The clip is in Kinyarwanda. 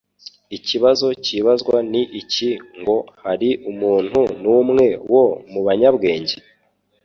ikibazo kibazwa ni iki ngo : Hari umuntu n'umwe wo mubanyabwenge